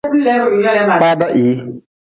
Kpada hii.